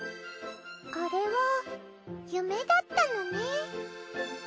あれは夢だったのね。